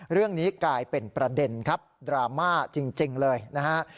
เรื่องนี้กลายเป็นประเด็นครับดราม่าจริงเลยนะฮะ